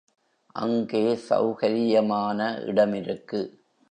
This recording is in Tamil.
அங்கே செளகரியமான இடமிருக்கு.